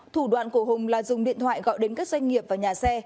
thủ đoạn của hùng là dùng điện thoại gọi đến các doanh nghiệp và nhà xe